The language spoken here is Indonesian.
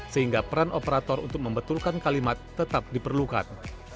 sehingga peran operator untuk membetulkan kalimat tetap diperlukan